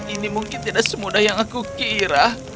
ini mungkin tidak semudah yang aku kira